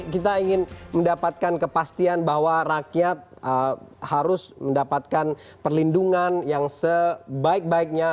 kita ingin mendapatkan kepastian bahwa rakyat harus mendapatkan perlindungan yang sebaik baiknya